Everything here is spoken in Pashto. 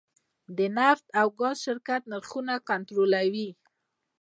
د نفت او ګاز شرکت نرخونه کنټرولوي؟